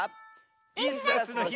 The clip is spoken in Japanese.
「イスダスのひ」